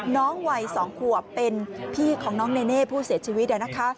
น้องวัย๒ขวบเป็นพี่ของน้องเนเน่ผู้เสียชีวิต